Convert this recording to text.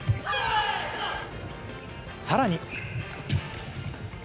さらに。